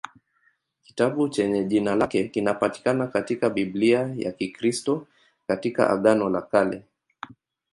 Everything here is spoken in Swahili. Kitabu chenye jina lake kinapatikana katika Biblia ya Kikristo katika Agano la Kale.